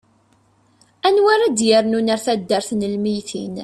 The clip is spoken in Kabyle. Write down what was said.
anwa ara d-yernun ar tebdart n lmeyytin